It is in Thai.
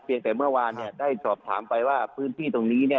แต่เมื่อวานได้สอบถามไปว่าพื้นที่ตรงนี้